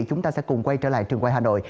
chúng ta sẽ cùng quay trở lại trường quay hà nội